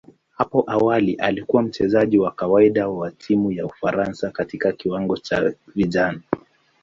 Hapo awali alikuwa mchezaji wa kawaida wa timu ya Ufaransa katika kiwango cha vijana.